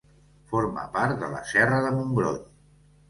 Forma part de la serra de Montgrony.